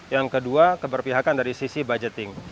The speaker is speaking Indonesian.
yang kedua keberpihakan dari sisi budgeting